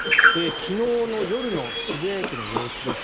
昨日の夜の渋谷駅の様子です。